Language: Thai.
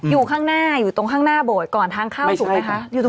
อยู่ข้างหน้าอยู่ตรงข้างหน้าโบสถ์ก่อนทางเข้าถูกไหมคะ